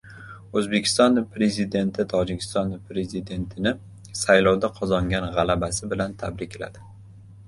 O‘zbekiston Prezidenti Tojikiston Prezidentini saylovda qozongan g‘alabasi bilan tabrikladi